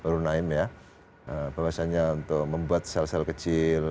runaim ya bahwasannya untuk membuat sel sel kecil